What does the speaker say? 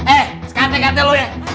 eh sekanteng kanteng lu ya